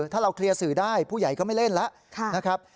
ถ้าเราเคลียร์สื่อได้ผู้ใหญ่ก็ไม่เล่นแล้วนะครับ